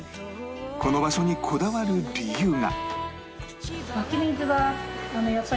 この場所にこだわる理由が